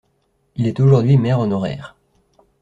Il est aujourd’hui maire honoraire.